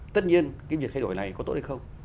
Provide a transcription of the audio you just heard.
tất nhiên cái việc thay đổi này có tốt hay không